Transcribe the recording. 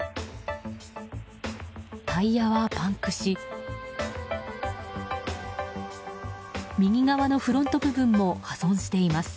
タイヤはパンクし右側のフロント部分も破損しています。